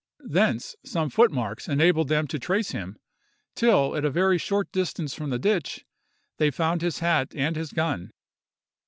Thence some footmarks enabled them to trace him, till, at a very short distance from the ditch, they found his hat and his gun.